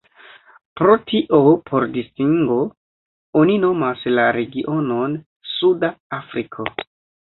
Pro tio por distingo oni nomas la regionon "Suda Afriko".